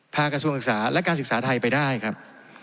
กระทรวงศึกษาและการศึกษาไทยไปได้ครับ